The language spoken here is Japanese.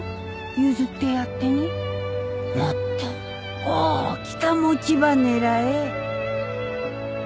譲ってやってねもっと大きか餅ば狙え。